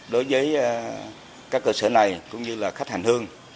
đối với các cơ sở này cũng như là khách hành hương